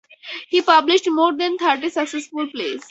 He published more than thirty successful plays.